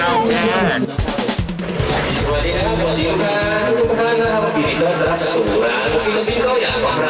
เอาอย่างหรอ